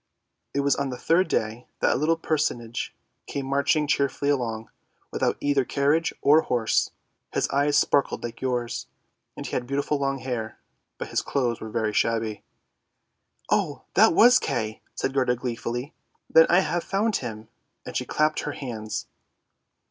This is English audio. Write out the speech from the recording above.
It was on the third day that a little personage came marching cheerfully along, without either carriage or horse. His eyes sparkled like yours, and he had beautiful long hair, but his clothes were very shabby." " Oh, that was Kay! " said Gerda gleefully; " then I have found him! " and she clapped her hands.